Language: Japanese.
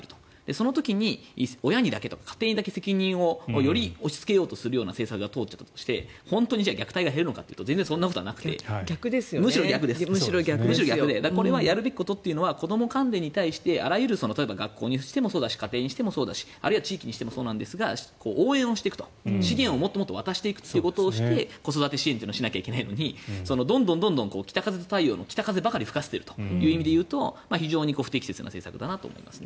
その時に親だけ家庭にだけ責任をより押しつけようとする政策が通ってしまって本当に虐待が減るのかというとそんなことはなくて、むしろ逆でこれはやるべきことは子どもに対して学校にしてもそうだし家庭にしてもそうだしあるいは地域にしてもそうですが応援をしていく資源をもっと渡していくということをして子ども支援というのはしないといけないのにどんどんと「北風と太陽」の北風ばかり吹かせているとなると非常に不適切な政策だと思います。